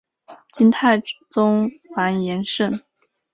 金太宗完颜晟。